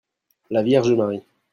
la Vierge Marie.